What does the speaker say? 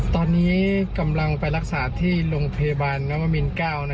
ตอนนี้กำลังไปรักษาที่โรงพยาบาลนวมิน๙